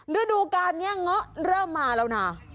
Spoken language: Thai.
ด้วยดูการเนี่ยง้อเริ่มมาแล้วนะ